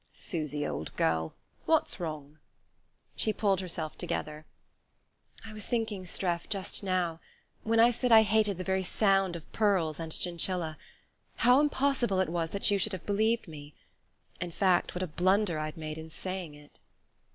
"Susy, old girl, what's wrong?" She pulled herself together. "I was thinking, Streff, just now when I said I hated the very sound of pearls and chinchilla how impossible it was that you should believe me; in fact, what a blunder I'd made in saying it."